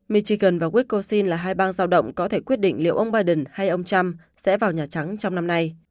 michigan và wiscosin là hai bang giao động có thể quyết định liệu ông biden hay ông trump sẽ vào nhà trắng trong năm nay